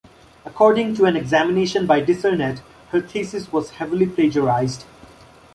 According to an examination by Dissernet, her thesis was heavily plagiarised.